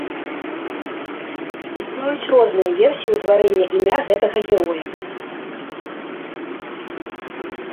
Існуюць розныя версіі ўтварэння імя гэтага героя.